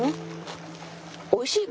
おいしい！